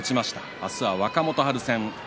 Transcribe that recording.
明日は若元春戦。